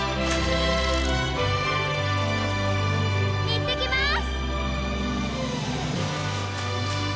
いってきます！